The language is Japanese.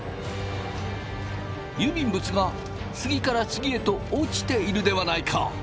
郵便物が次から次へと落ちているではないか！